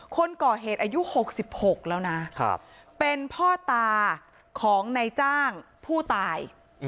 คนก่อเหตุอายุ๖๖แล้วนะเป็นพ่อตาของนายจ้างผู้ตาย